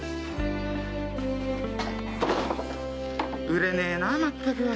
売れねえなあまったく。